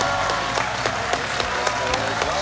お願いします